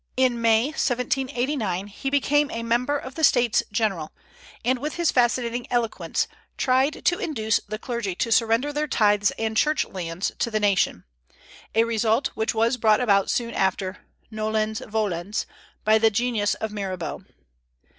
In May, 1789, he became a member of the States General, and with his fascinating eloquence tried to induce the clergy to surrender their tithes and church lands to the nation, a result which was brought about soon after, nolens volens, by the genius of Mirabeau.